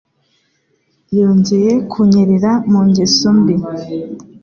Yongeye kunyerera mu ngeso mbi.